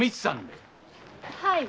はい。